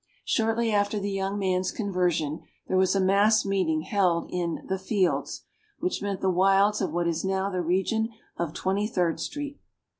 Shortly after the young man's conversion, there was a mass meeting held in "The Fields," which meant the wilds of what is now the region of Twenty third Street.